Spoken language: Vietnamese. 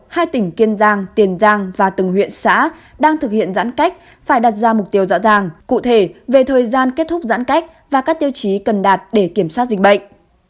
hai tỉnh kiên giang tiền giang và từng huyện xã đang thực hiện giãn cách phải đặt ra mục tiêu rõ ràng cụ thể về thời gian kết thúc giãn cách và các tiêu chí cần đạt để kiểm soát dịch bệnh